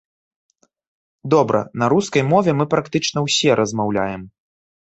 Добра, на рускай мове мы практычна ўсе размаўляем.